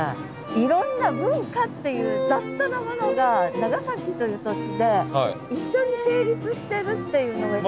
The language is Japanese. いろんな文化っていう雑多なものが長崎という土地で一緒に成立してるっていうのがすごいなと。